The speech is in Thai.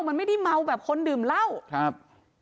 มันไม่ได้เมาแบบคนดื่มเหล้าครับ